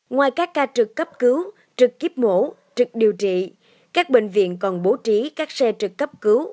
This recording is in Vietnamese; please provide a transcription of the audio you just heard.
ngoài các ca trực cấp cứu trực tiếp mổ trực điều trị các bệnh viện còn bố trí các xe trực cấp cứu